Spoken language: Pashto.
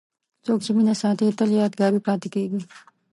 څوک چې مینه ساتي، تل یادګاري پاتې کېږي.